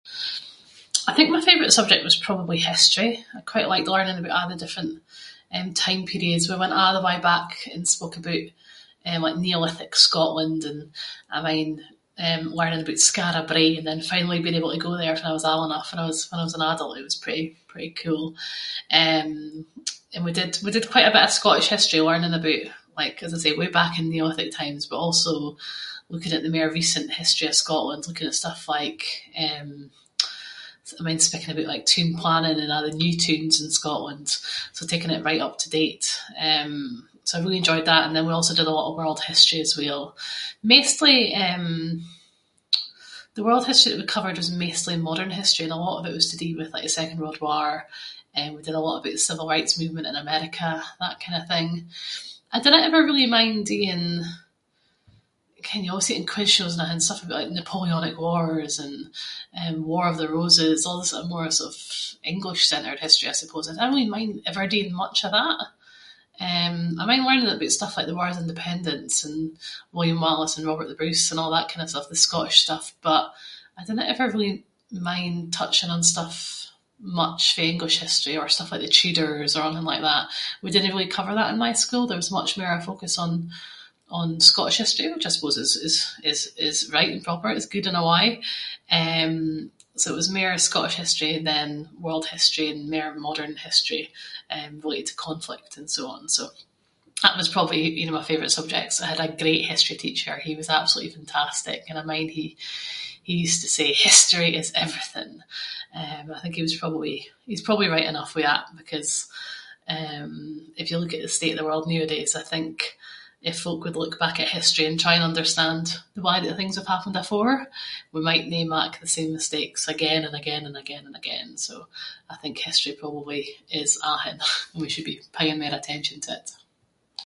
I think my favourite subject was probably history. I quite liked learning about a’ the different eh time periods. We went a’ the way back and spoke aboot like neolithic Scotland and I mind eh, learning aboot Skara Brae and then finally being able to go there fann I was old enough when I was- was an adult. It was pretty- pretty cool. Eh and we did- we did quite a bit of Scottish history, learning aboot as I say way back in neolithic times, but also looking at the mair recent history of Scotland. Looking at stuff like, eh- I mind speaking about like toon planning and a’ the new toons in Scotland. So taking it right up to date, eh, so I really enjoyed that and then we also did a lot of world history as well. Maistly, eh, the world history that we covered was maistly modern history, and a lot of it was to do with like the second world war. Eh we did a lot aboot the civil rights movement in America, that kind of thing. I dinna ever really mind doing- ken you always see it in quiz shows and athing, stuff aboot like the Napoleonic Wars and eh War of the Roses, a’ the more sort of English centred history I suppose. I dinna really mind ever doing much of that, eh I mind learning aboot stuff like the wars of independence and William Wallace and Robert the Bruce and a’ that kind of stuff, the Scottish stuff, but I dinna ever really mind touching on stuff much fae English history or stuff like the Tudors or onything like that. We didnae really cover that in my school, there was much mair a focus on- on Scottish history, which I suppose is- is right and proper- it’s good in a way. Eh so it was mair Scottish history than world history, and mair modern history eh related to conflict and so on. So, that was probably my favourite subject. I had a great history teacher, he was absolutely fantastic and I mind he- he used to say “history is everything”, eh I think he was probably- he was probably right enough with that, because eh if you look at the state of the world nooadays I think if folk would look back at history and try and understand the way that things have happened afore, we might no mak the same mistakes again and again and again and again. So, I think history probably is athing. We should be paying mair attention to it.